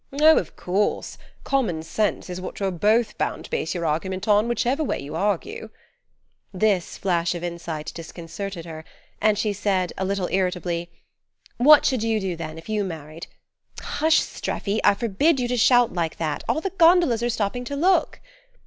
"Oh, of course: common sense is what you're both bound to base your argument on, whichever way you argue." This flash of insight disconcerted her, and she said, a little irritably: "What should you do then, if you married? Hush, Streffy! I forbid you to shout like that all the gondolas are stopping to look!"